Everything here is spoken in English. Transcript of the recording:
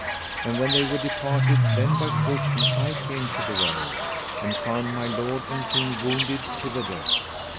And when they were departed, then by fortune I came to the well, and found my lord and king wounded to the death.